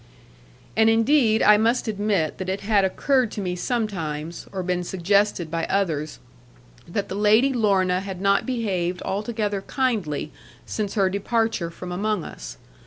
And indeed I must admit that it had occurred to me sometimes, or been suggested by others, that the Lady Lorna had not behaved altogether kindly, since her departure from among us.